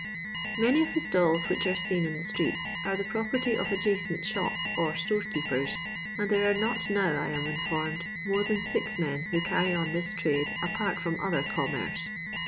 Many of the stalls which are seen in the streets are the property of adjacent shop or store keepers, and there are not now, I am informed, more than six men who carry on this trade apart from other commerce.